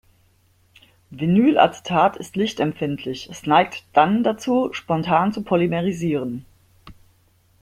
Vinylacetat ist lichtempfindlich, es neigt dann dazu, spontan zu polymerisieren.